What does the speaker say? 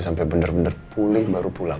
sampai bener bener pulih baru pulang